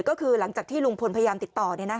ก็คือหลังจากที่ลุงพลพยายามติดต่อ